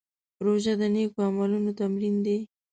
روژه د نېکو عملونو تمرین دی.